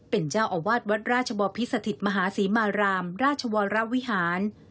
เป็นเจ้าอาวาสวัดราชบอพิสถิตมหาศรีมารามราชวรวิหาร